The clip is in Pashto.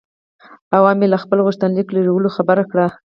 حوا مې له خپل غوښتنلیک لېږلو خبره کړه.